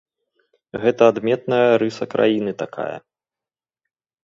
Гэта адметная рыса краіны такая.